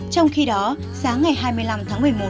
trong khi đó sáng ngày hai mươi năm tháng một mươi một